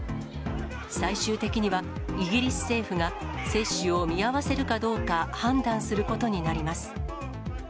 最終的には、イギリス政府が接種を見合わせるかどうか判断することになります。